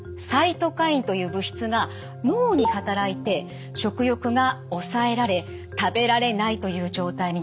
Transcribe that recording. サイトカインという物質が脳に働いて食欲が抑えられ食べられないという状態になります。